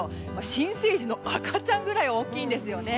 新生児の赤ちゃんくらい大きいんですよね。